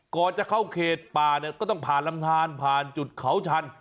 ก่อนจะเข้าเขตป่าเนี่ยก็ต้องผ่านลำทานผ่านจุดเขาชัน